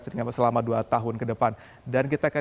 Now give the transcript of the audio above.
selama dua tahun ke depan dan kita akan